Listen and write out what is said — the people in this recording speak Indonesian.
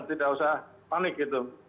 tidak usah panik gitu